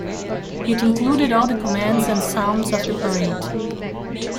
It included all the commands and sounds of the parade.